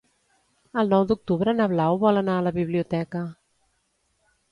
El nou d'octubre na Blau vol anar a la biblioteca.